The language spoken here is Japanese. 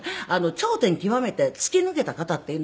頂点極めて突き抜けた方っていうのは。